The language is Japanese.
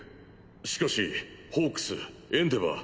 しかしホークスエンデヴァー